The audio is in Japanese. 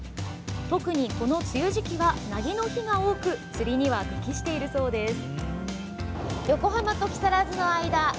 特にこの梅雨時期はなぎの日が多く釣りには適しているそうです。